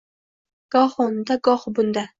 Gohi unda, gohi bunda